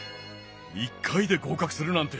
１回で合格するなんて